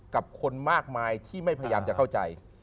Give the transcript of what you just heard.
กับคนมากมายที่ไม่พยายามจะเข้าใจ